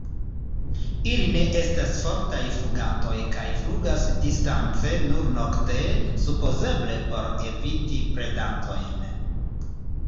Ili ne estas fortaj flugantoj kaj flugas distance nur nokte, supozeble por eviti predantojn.